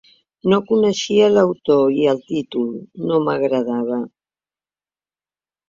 No coneixia l’autor i el títol no m’agradava.